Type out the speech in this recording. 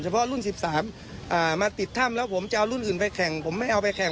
เพราะรุ่น๑๓มาติดถ้ำแล้วผมจะเอารุ่นอื่นไปแข่งผมไม่เอาไปแข่ง